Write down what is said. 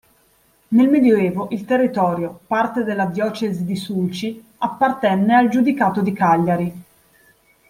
Nel medioevo il territorio, parte della diocesi di Sulci, appartenne al giudicato di Cagliari.